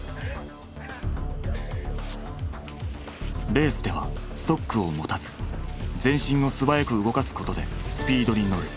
レースではストックを持たず全身を素早く動かすことでスピードに乗る。